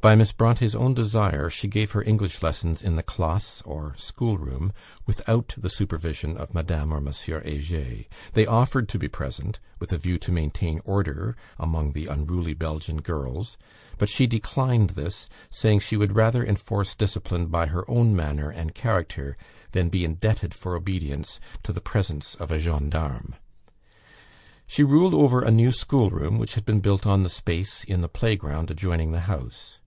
By Miss Bronte's own desire, she gave her English lessons in the classe, or schoolroom, without the supervision of Madame or M. Heger. They offered to be present, with a view to maintain order among the unruly Belgian girls; but she declined this, saying that she would rather enforce discipline by her own manner and character than be indebted for obedience to the presence of a gendarme. She ruled over a new schoolroom, which had been built on the space in the play ground adjoining the house.